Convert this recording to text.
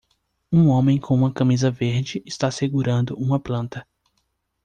Um homem com uma camisa verde está segurando uma planta.